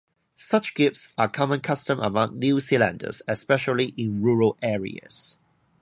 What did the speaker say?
Such gifts are common custom among New Zealanders, especially in rural areas.